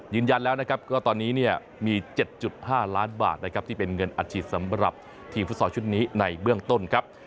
ยืนยันแล้วนะครับก็ตอนนี้เนี่ยมี๗๕ล้านบาทนะครับที่เป็นเงินอัดฉีดสำหรับทีมฟุตซอลชุดนี้ในเบื้องต้นครับ